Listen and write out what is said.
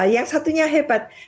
yang satunya hebat